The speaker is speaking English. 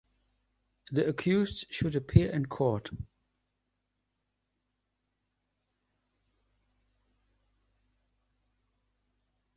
The accused should appear in court.